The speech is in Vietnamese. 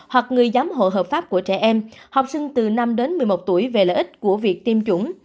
hoặc người giám hộ hợp pháp của trẻ em học sinh từ năm đến một mươi một tuổi về lợi ích của việc tiêm chủng